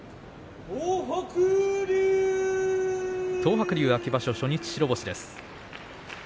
東白龍は秋場所、初日白星です。